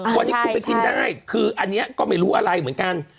วันนี้คุณไปกินได้คืออันนี้ก็ไม่รู้อะไรเหมือนกัน